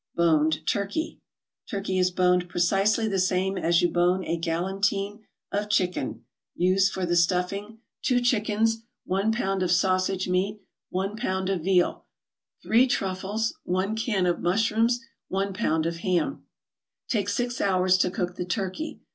BONED TURKEY Turkey is boned precisely the same as you bone a "galantine" of chicken. Use for the stuffing: 2 chickens 1 pound of sausage meat 1 pound of veal 3 truffles 1 can of mushrooms 1 pound of ham Take six hours to cook the turkey.